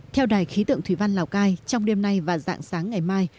theo đài khí tượng thủy văn lào cai trong đêm nay và dạng sáng ngày mai